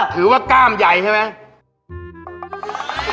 ถือว่าก้ามใหญ่ใช่ไหม